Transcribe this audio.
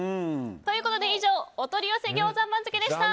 ということで、以上お取り寄せギョーザ番付でした。